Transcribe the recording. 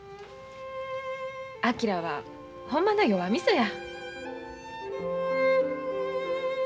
昭はほんまの弱みそや。